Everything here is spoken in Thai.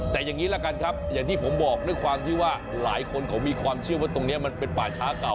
แต่อย่างนี้ละกันครับอย่างที่ผมบอกด้วยความที่ว่าหลายคนเขามีความเชื่อว่าตรงนี้มันเป็นป่าช้าเก่า